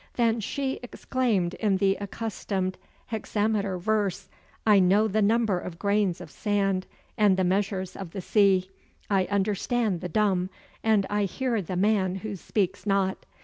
than she exclaimed in the accustomed hexameter verse, "I know the number of grains of sand, and the measures of the sea: I understand the dumb, and I hear the man who speaks not.